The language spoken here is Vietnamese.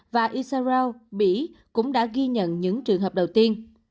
và isarau mỹ cũng đã ghi nhận những trường hợp đầu tiên